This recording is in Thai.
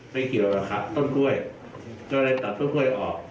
เกี่ยวกับต้นกล้วยก็เลยตัดต้นกล้วยออก